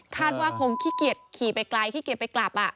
ว่าคงขี้เกียจขี่ไปไกลขี้เกียจไปกลับ